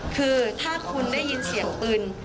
คือถ้าคุณได้ยินเสียงปืน